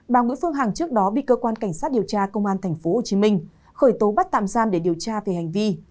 bà nguyễn phương hằng trước đó bị cơ quan cảnh sát điều tra công an tp hcm khởi tố bắt tạm giam để điều tra về hành vi